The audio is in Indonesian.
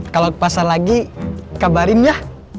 kalau ke pasar lagi kabarin ya